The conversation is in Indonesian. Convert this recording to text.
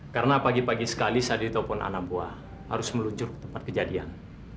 karena pagi pagi sekali saya ditopon anak buah harus meluncur ke tempat kejadian